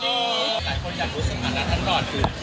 หลายคนอยากรู้สึกอันนั้นนะท่านตอด